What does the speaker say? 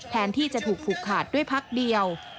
แทนที่จะถูกผูกขาดด้วยพักเดียว